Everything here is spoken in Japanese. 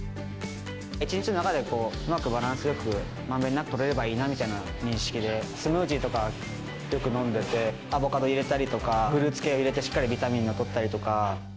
一日の中でうまくバランスよく、まんべんなくとれればいいなみたいな認識で、スムージーとかよく飲んでて、アボカド入れたりとか、フルーツ系を入れてしっかりビタミンもとったりとか。